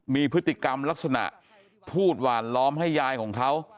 มีพฤติกรรมลักษณะพูดหวานล้อมให้ยายของเขา